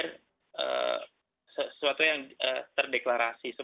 declare sesuatu yang terdeklarasi